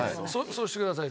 そうしてください